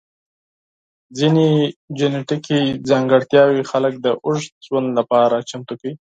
ځینې جنیټیکي ځانګړتیاوې خلک د اوږد ژوند لپاره چمتو کوي.